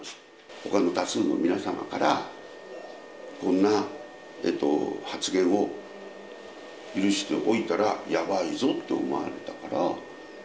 ほかの多数の皆様から、こんな発言を許しておいたらやばいぞって思われたから。